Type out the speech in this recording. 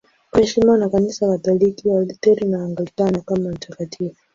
Anaheshimiwa na Kanisa Katoliki, Walutheri na Waanglikana kama mtakatifu.